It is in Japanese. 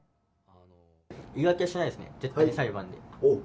言い訳はしないですね、絶対に、裁判で。